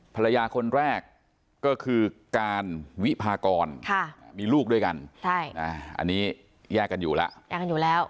ภรรยาคนแรกก็คือการวิภากรมีลูกด้วยกันอันนี้แยกกันอยู่แล้ว